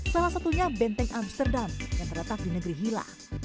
salah satunya benteng amsterdam yang terletak di negeri hila